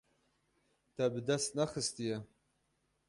Te bi dest nexistiye.